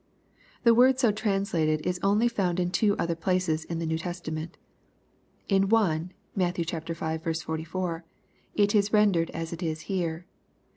"] The word so translated is only found in two other places in the New Testament. In one (Matt. v. 44), it is rendered as it is here.